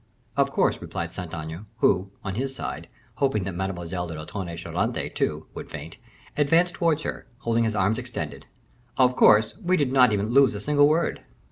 "Of course," replied Saint Aignan, who, on his side, hoping that Mademoiselle de Tonnay Charente, too, would faint, advancing towards her, holding his arms extended, "of course; we did not even lose a single word."